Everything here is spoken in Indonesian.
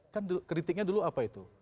kan kritiknya dulu apa itu